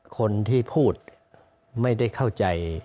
คนที่พูดไม่ได้เข้าใจ